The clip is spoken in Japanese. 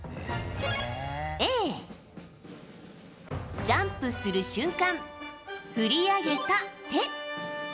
Ａ、ジャンプする瞬間振り上げた手。